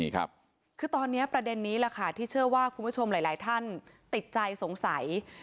คือตอนนี้ประเด็นนี้แหละค่ะที่เชื่อว่าคุณผู้ชมหลายท่านติดใจสงสัย